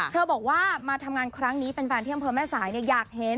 เธอบอกว่ามาทำงานครั้งนี้เป็นแฟนเที่ยมเพิ่มแม่สายเนี่ย